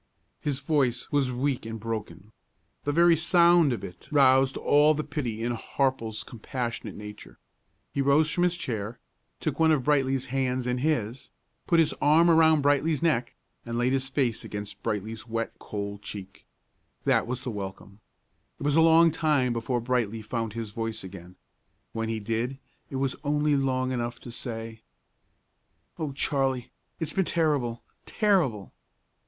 His voice was weak and broken. The very sound of it roused all the pity in Harple's compassionate nature. He rose from his chair, took one of Brightly's hands in his, put his arm around Brightly's neck, and laid his face against Brightly's wet, cold cheek. That was the welcome. It was a long time before Brightly found his voice again. When he did, it was only long enough to say, "O Charley, it's been terrible! terrible!"